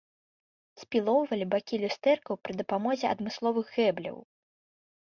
Спілоўвалі бакі люстэркаў пры дапамозе адмысловых гэбляў.